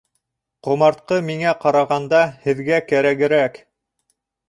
Ҡомартҡы миңә ҡарағанда һеҙгә кәрәгерәк.